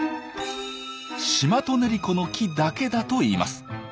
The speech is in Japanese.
シマトネリコの木だけだといいます。